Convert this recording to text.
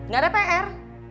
gak ada pr